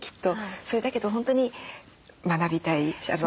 それだけど本当に学びたい。